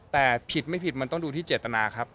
แต่ผิดไม่ผิดมันต้องดูที่เจตนาครับ